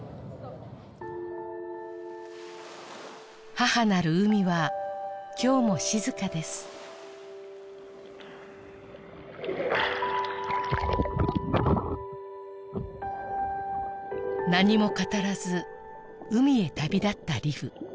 母なる海はきょうも静かです何も語らず海へ旅立ったリブ